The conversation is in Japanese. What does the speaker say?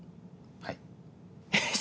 はい。